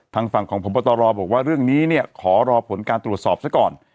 ทางฝั่งของพบตรบอกว่าเรื่องนี้เนี่ยขอรอผลการตรวจสอบซะก่อน